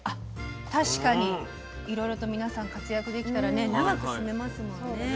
確かにいろいろと皆さん活躍できたら長く住めますもんね。